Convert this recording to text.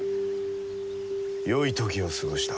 よい時を過ごした。